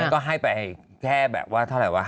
ก็ให้ไปแค่แบบว่าเท่าไหร่วะ